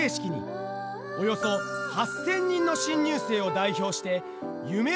およそ８，０００人の新入生を代表して夢を語った。